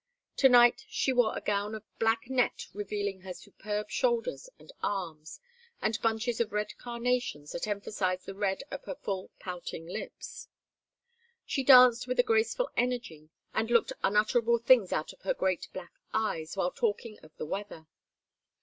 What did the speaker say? To night she wore a gown of black net revealing her superb shoulders and arms, and bunches of red carnations that emphasized the red of her full pouting lips. She danced with a graceful energy and looked unutterable things out of her great black eyes while talking of the weather.